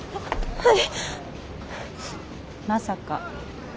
はい。